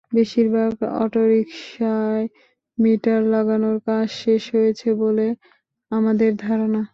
বেশির ভাগ অটোরিকশায় মিটার লাগানোর কাজ শেষ হয়েছে বলে আমাদের ধারণা।